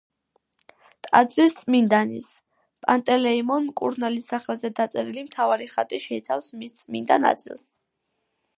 ტაძრის წმინდანის, პანტელეიმონ მკურნალის სახელზე დაწერილი მთავარი ხატი შეიცავს მის წმინდა ნაწილს.